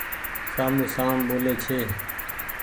سامون سام ٻولي ڇي ۔